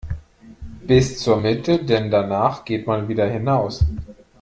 Bis zur Mitte, denn danach geht man wieder hinaus.